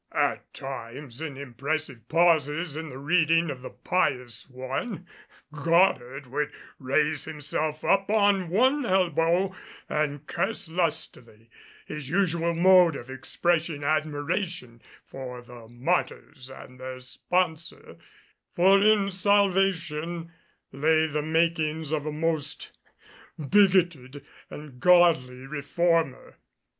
At times, in impressive pauses in the reading by the pious one, Goddard would raise himself upon one elbow and curse lustily his usual mode of expressing admiration for the martyrs and their sponsor; for in Salvation lay the makings of a most bigoted and godly reformer.